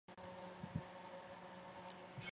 同时他接替谭耀宗出任安老事务委员会主席。